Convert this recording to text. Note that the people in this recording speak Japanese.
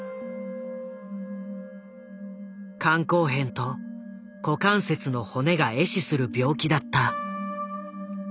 肝硬変と股関節の骨が壊死する病気だった。